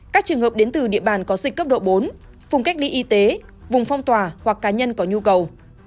các trường hợp đến từ địa bàn có dịch cấp độ bốn vùng cách ly y tế vùng phong tỏa hoặc cá nhân có nhu cầu